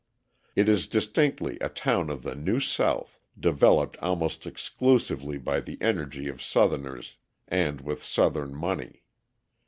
It is distinctly a town of the New South, developed almost exclusively by the energy of Southerners and with Southern money.